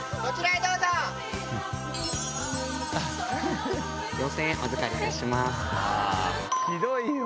ひどいよ。